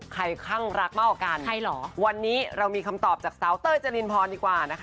ใครคลั่งรักมากกันวันนี้เรามีคำตอบจากเซาเตอร์เจรินพรดีกว่านะคะ